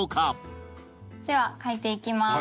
では書いていきます。